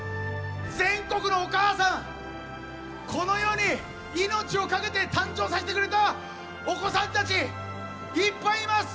全国のお母さんこの世に命をかけて誕生させてくれたお子さんたちいっぱいいます。